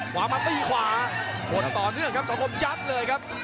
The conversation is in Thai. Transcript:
หวามันตีขวาหมดต่อเนื่องครับสองครบจัดเลยครับ